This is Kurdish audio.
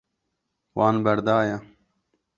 Wan berdaye.